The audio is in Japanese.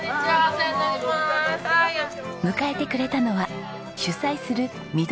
迎えてくれたのは主催するみ